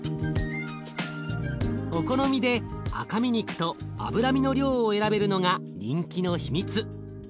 お好みで赤身肉と脂身の量を選べるのが人気の秘密。